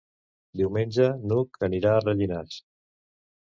Diumenge n'Hug anirà a Rellinars.